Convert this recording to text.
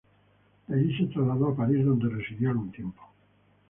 De allí se trasladó a París, donde residió algún tiempo.